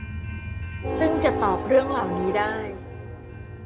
ซึ่งจะตอบเรื่องเหล่านี้ได้